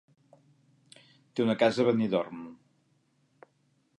Té una casa a Benidorm.